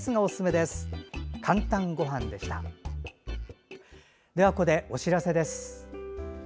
では、ここでお知らせです。